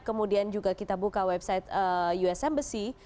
kemudian juga kita buka website us embassy